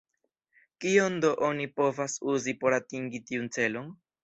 Kion do oni povas uzi por atingi tiun celon?